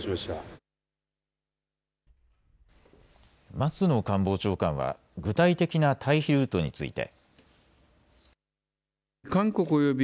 松野官房長官は具体的な退避ルートについて。